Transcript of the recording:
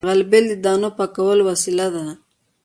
غلبېل د دانو د پاکولو وسیله ده